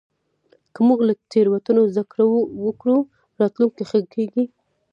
که موږ له تېروتنو زدهکړه وکړو، راتلونکی ښه کېږي.